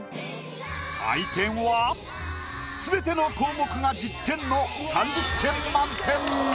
採点は全ての項目が１０点の３０点満点！